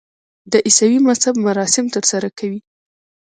د عیسوي مذهب مراسم ترسره کوي.